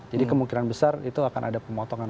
kemungkinan besar itu akan ada pemotongan